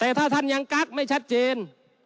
แต่ถ้าท่านยังกักไม่ชัดเจน